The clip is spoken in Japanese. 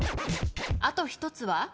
あと１つは？